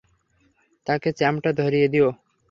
তাকে চ্যাম্পটা ধরিয়ে দিও।